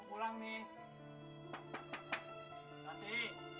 satu malam tadi gak ada